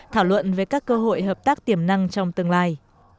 thảo luận về các cơ hội hợp tác tiềm năng trong tương lai